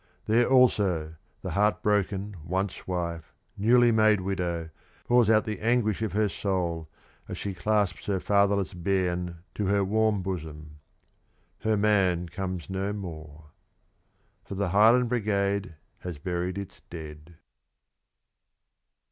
There also the heart broken once wife, newly made widow, pours out the anguish of her soul as she clasps her fatherless bairn to her warm bosom. Her man comes no more. For the Highland Brigade has buried its dead.